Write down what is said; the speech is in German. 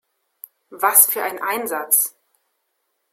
Was für ein Einsatz!